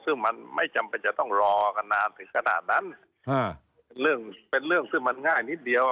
ซึ่งมันไม่จำเป็นจะต้องรอกันนานถึงขนาดนั้นเรื่องเป็นเรื่องซึ่งมันง่ายนิดเดียว